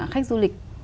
khách du lịch